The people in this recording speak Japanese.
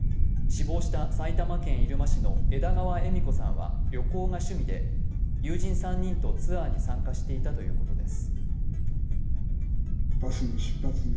死亡した埼玉県入間市の枝川恵美子さんは旅行が趣味で、友人３人とツアーに参加していたということです。